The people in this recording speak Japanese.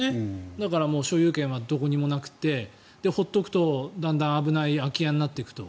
だから、所有権はどこにもなくて放っておくと、だんだん危ない空き家になっていくと。